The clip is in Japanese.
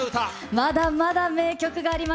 まだまだ名曲があります。